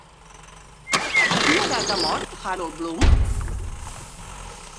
A quina edat ha mort Harold Bloom?